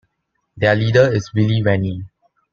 Their leader is Willie Rennie.